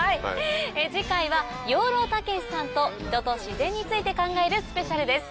次回は養老孟司さんと人と自然について考えるスペシャルです。